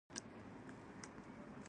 بدرنګه رویه زړونه ژوبلوي